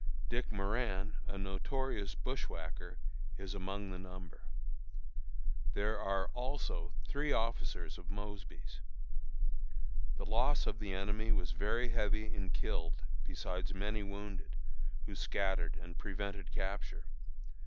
Dick Moran (a notorious bushwhacker) is among the number. There are also three officers of Mosby's. The loss of the enemy was very heavy in killed, besides many wounded, who scattered and prevented capture.